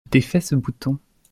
Défais ce bouton.